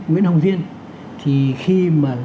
nguyễn hồng diên thì khi mà